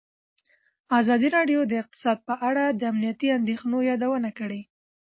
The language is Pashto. ازادي راډیو د اقتصاد په اړه د امنیتي اندېښنو یادونه کړې.